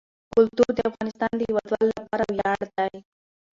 کلتور د افغانستان د هیوادوالو لپاره ویاړ دی.